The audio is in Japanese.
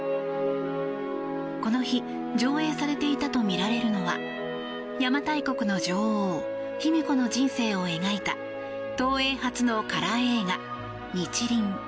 この日、上映されていたとみられるのは邪馬台国の女王・卑弥呼の人生を描いた東映初のカラー映画「日輪」。